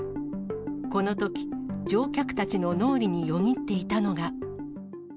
このとき、乗客たちの脳裏によぎっていたのが。